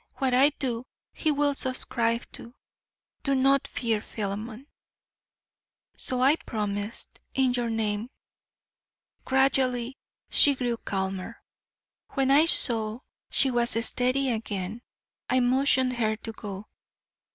What I do he will subscribe to. Do not fear Philemon." So I promised in your name. Gradually she grew calmer. When I saw she was steady again, I motioned her to go.